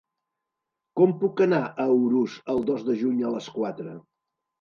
Com puc anar a Urús el dos de juny a les quatre?